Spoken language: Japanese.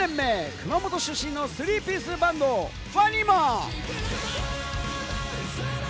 熊本出身のスリーピースバンド・ＷＡＮＩＭＡ。